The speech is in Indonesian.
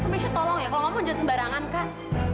kamu bisa tolong ya kalau lo mau jalan sembarangan kak